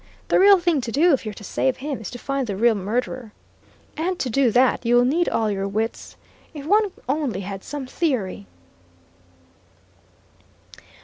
The real thing to do, if you're to save him, is to find the real murderer. And to do that, you'll need all your wits! If one only had some theory!"